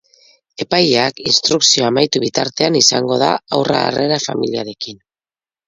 Epaileak instrukzioa amaitu bitartean izango da haurra harrera familiarekin.